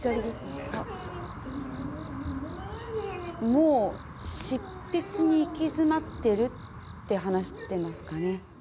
もう執筆に行き詰まってるって話してますかね？